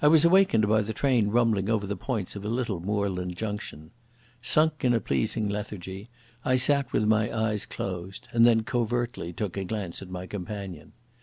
I was awakened by the train rumbling over the points of a little moorland junction. Sunk in a pleasing lethargy, I sat with my eyes closed, and then covertly took a glance at my companion.